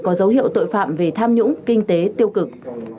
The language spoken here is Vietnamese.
có dấu hiệu tội phạm về tham nhũng kinh tế tiêu cực